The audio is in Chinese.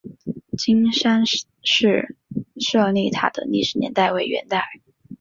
金山寺舍利塔的历史年代为元代。